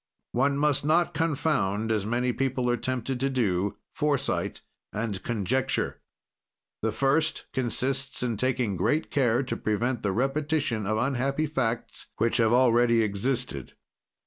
"One must not confound, as many people are tempted to do, foresight and conjecture. "The first consists in taking great care to prevent the repetition of unhappy facts which have already existed.